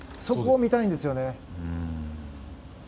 そこを見たいんですよね。